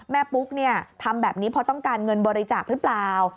ปุ๊กทำแบบนี้เพราะต้องการเงินบริจาคหรือเปล่า